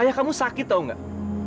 ayah kamu sakit tau gak